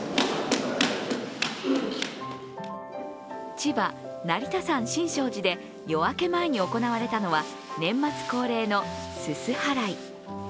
千葉・成田山新勝寺で夜明け前に行われたのは、年末恒例の、すす払い。